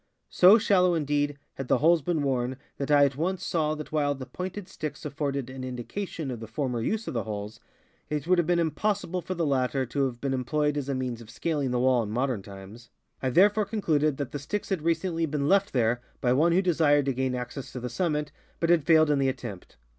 So shallow, indeed, had the holes been worn that I at once saw that while the pointed sticks afforded an indication of the former use of the holes, it would have been impossible for the latter to have been employed as a means of scaling the wall in modern times. I therefore con cluded that the sticks had recently been left there by one who desired to gain access to the summit, but had failed in the at tempt.